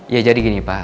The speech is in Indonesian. ya jadi gini pak